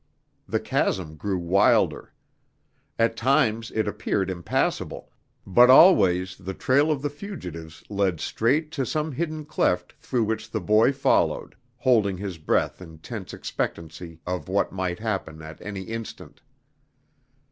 The chasm grew wilder. At times it appeared impassable, but always the trail of the fugitives led straight to some hidden cleft through which the boy followed, holding his breath in tense expectancy of what might happen at any instant.